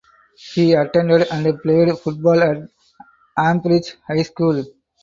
He attended and played football at Ambridge High School.